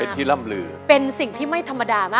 เป็นสิ่งที่ไม่ธรรมดามากพี่บอกว่านักข่าวนะไปทำข่าวเลยอ่ะใช่มั้ย